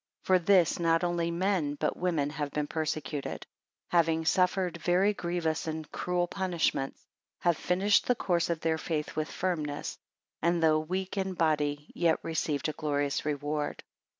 17 For this, not only men but women have been persecuted; and having suffered very grievous and cruel punishments, have finished the course of their faith with firmness; and though weak in body, yet received a glorious reward.